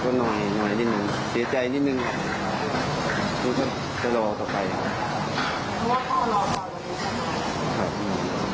ในห้องได้เจอของคุณฝั่งหรือครับไม่มีการพูดคืนไหมครับ